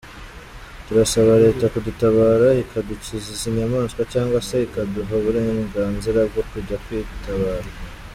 Turasaba Leta kudutabara ikadukiza izi nyamaswa cyangwa se ikaduha uburenganzira bwo kujya twitabara.